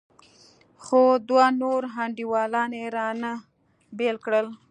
خو دوه نور انډيوالان يې رانه بېل کړل.